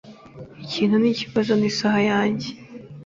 Ikintu nikibazo nisaha yanjye.